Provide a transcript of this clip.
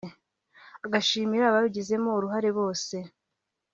agashimira ababigizemo uruhare bose